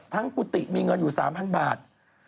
ทางปุติมีเงินอยู่๓๐๐๐บาท